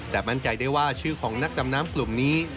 แต่มั่นใจได้ว่าชื่อของนักดำน้ำกลุ่มนี้